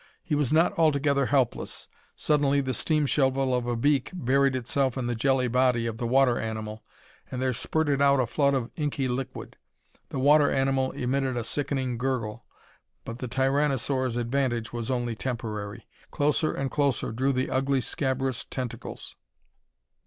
He was not altogether helpless. Suddenly the steam shovel of a beak buried itself in the jelly body of the water animal, and there spurted out a flood of inky liquid. The water animal emitted a sickening gurgle. But the tyranosaur's advantage was only temporary. Closer and closer drew the ugly, scabrous tentacles.